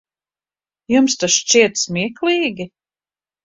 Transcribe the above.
Jums tas šķiet smieklīgi?